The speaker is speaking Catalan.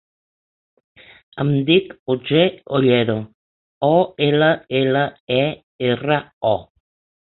Em dic Otger Ollero: o, ela, ela, e, erra, o.